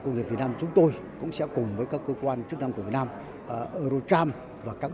công nghiệp việt nam chúng tôi cũng sẽ cùng với các cơ quan trước năm của việt nam eurotram và các